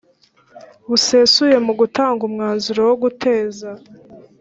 busesuye mu gutanga umusanzu wo guteza